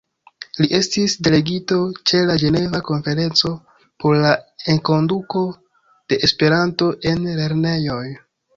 Li estis delegito ĉe la Ĝeneva konferenco por la enkonduko de Esperanto en lernejoj.